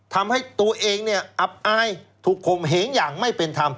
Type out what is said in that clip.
ทำให้ตัวเองเนี่ยอับอายถูกคมเหงอย่างไม่เป็นธรรม